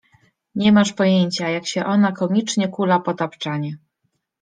«Nie masz pojęcia, jak się ona komicznie kula po tapczanie.